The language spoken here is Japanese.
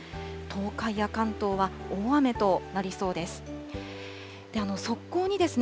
東海や関東は大雨となりそうです。